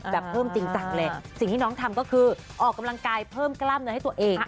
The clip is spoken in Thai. เพิ่มจริงจังเลยสิ่งที่น้องทำก็คือออกกำลังกายเพิ่มกล้ามเนื้อให้ตัวเอง